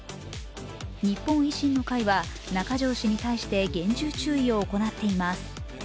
日本維新の会は中条氏に対して厳重注意を行っています。